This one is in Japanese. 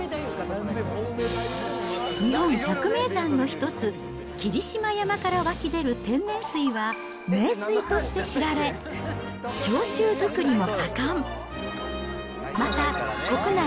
日本百名山の一つ、霧島山から湧き出る天然水は、名水として知られ、焼酎造りも盛ん。